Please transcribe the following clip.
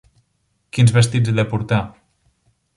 Quins vestits he de portar?